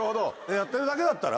やってるだけだったら。